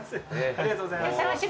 ありがとうございます。